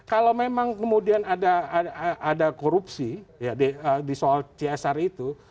kalau memang kemudian ada korupsi di soal csr itu